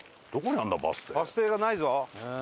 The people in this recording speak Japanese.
バス停がないぞ。